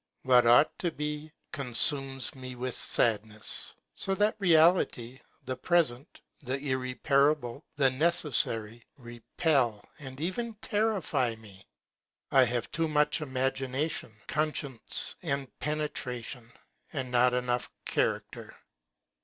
What ought to be 'consumes me with sadness. 'So that reality, _ the present, the irreparable, the necessary, repel and even terrify me. I have too _ much imagination, conscience, and pene tration, and not enough character.